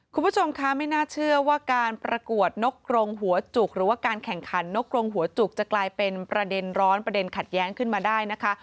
คุณผู้ชมคะไม่น่าเชื่อว่าการประกวดนกกรงหัวจุกหรือว่าการแข่งขันนกรงหัวจุกจะกลายเป็นประเด็นร้อนประเด็นขัดแย้งขึ้นมาได้นะคะ